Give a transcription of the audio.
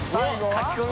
かき込み！